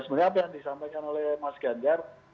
sebenarnya apa yang disampaikan oleh mas ganjar